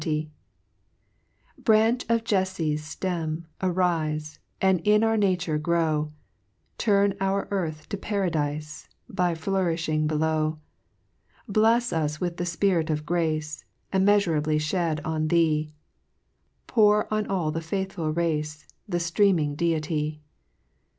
18 ) HYMN XX. 1 TlRAXCH of Jeffc's ftcm, arife, _I3 And in our nature grow, Turn our earth to paradife, By flouri flung below : Blofs us with the Spirit of grace Immeafurably flied en thee, Pour on all the faithful racc v The Ftrcaming I>ity